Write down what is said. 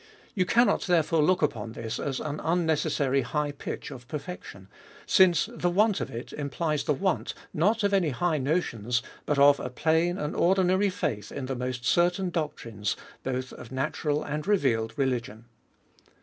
You can not, therefore, look upon this as an unnecessary, high' pitch of perfection, since the want of it implies the wanty not of any high notions, but of a plain and or dinary faith in the most certain doctrines both of na tural and revealed religion.